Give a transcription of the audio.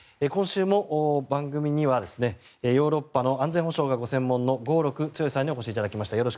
今週も番組にはヨーロッパの安全保障がご専門の合六強さんにお越しいただきました。